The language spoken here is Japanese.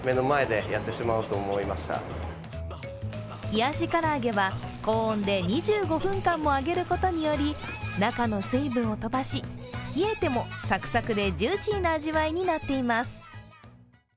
冷やし唐揚げは高温で２５分間で揚げることにより、中の水分を飛ばし冷えてもサクサクでジューシーな味わいになっています。